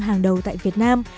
hàng đầu tại việt nam